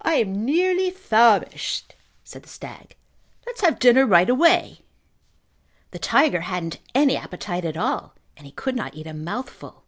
"I am nearly famished," said the stag. "Let's have dinner right away." The tiger hadn't any appetite at all and he could not eat a mouthful.